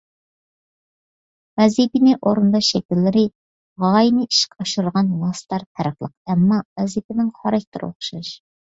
ۋەزىپىنى ئورۇنداش شەكىللىرى، غايىنى ئىشقا ئاشۇرىدىغان ۋاسىتىلەر پەرقلىق، ئەمما ۋەزىپىنىڭ خاراكتېرى ئوخشاش.